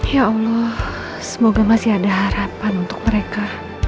ya allah semoga masih ada harapan untuk mereka